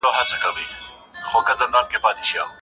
که تا کالي کول، نو هغې ته به هم کالي کوې.